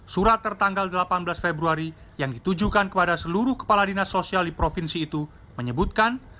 surat tertanggal delapan belas februari yang ditujukan kepada seluruh kepala dinas sosial di provinsi itu menyebutkan